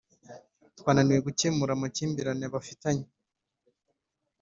twananiwe gukemura amakimbirane abafitanye